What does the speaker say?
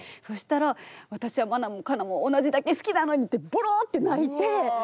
そしたら「私は茉奈も佳奈も同じだけ好きなのに」ってぼろって泣いて。